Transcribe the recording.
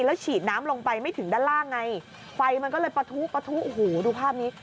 แล้วฉีดน้ำลงไปไม่ถึงด้านล่างไงไฟมันก็เลยปะทุปะทุโอ้โหดูภาพนี้